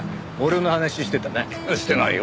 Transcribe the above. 絶対してないよ。